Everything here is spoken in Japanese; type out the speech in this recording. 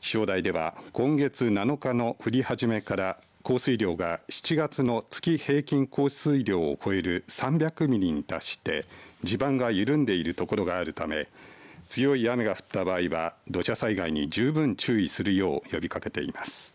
気象台では今月７日の降り始めから降水量が７月の月平均降水量を超える３００ミリに達して地盤が緩んでいるところがあるため強い雨が降った場合は土砂災害に十分注意するよう呼びかけています。